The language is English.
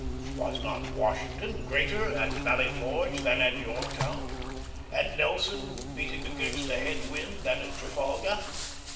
Was not Washington greater at Valley Forge than at Yorktown? and Nelson beating against a head wind than at Trafalgar?